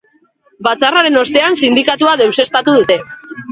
Batzarraren ostean sindikatua deuseztatu dute.